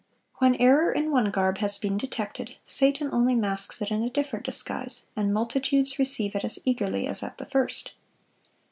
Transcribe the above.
When error in one garb has been detected, Satan only masks it in a different disguise, and multitudes receive it as eagerly as at the first.